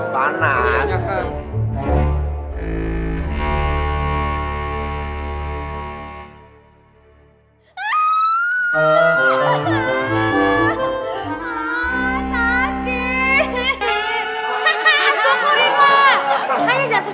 pernah bisa datah liat perh gunduk juga fake